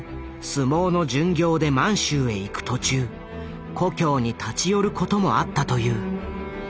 相撲の巡業で満州へ行く途中故郷に立ち寄ることもあったという。